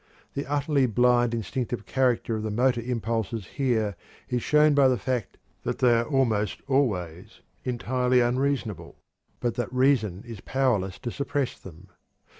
The utterly blind instinctive character of the motor impulses here is shown by the fact that they are almost always entirely unreasonable, but that reason is powerless to suppress them.